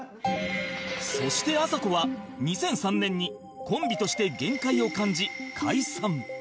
そしてあさこは２００３年にコンビとして限界を感じ解散